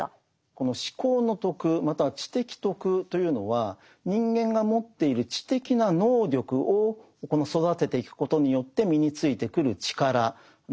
この思考の徳または知的徳というのは人間が持っている知的な能力を育てていくことによって身についてくる力なんです。